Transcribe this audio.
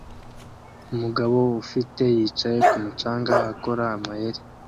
Umugabo ufite yicaye kumu canga akora amayeri